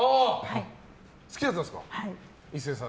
好きだったんですか、壱成さん。